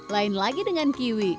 lain lagi dengan kiwi